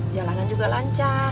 jalanan juga lancar